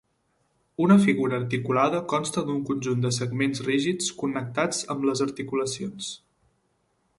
Una figura articulada consta d'un conjunt de segments rígids connectats amb les articulacions.